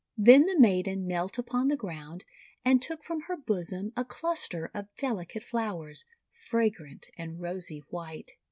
Then the maiden knelt upon the ground, and took from her bosom a cluster of delicate flowers, fragrant and rosy white.